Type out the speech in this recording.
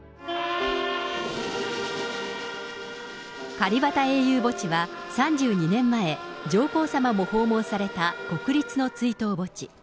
カリバタ英雄墓地は３２年前、上皇さまも訪問された国立の追悼墓地。